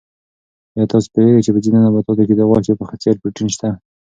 آیا تاسو پوهېږئ چې په ځینو نباتاتو کې د غوښې په څېر پروټین شته؟